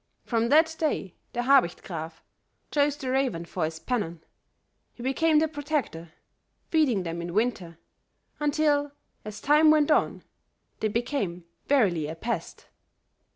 "From that day Der Habicht Graf chose the raven for his pennon; he became their protector, feeding them in winter, until, as time went on, they became verily a pest.